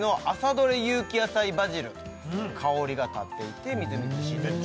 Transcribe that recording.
どれ有機野菜バジル香りが立っていてみずみずしいですね